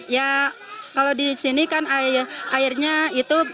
ya kalau di sini kan airnya itu